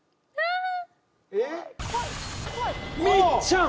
みっちゃん！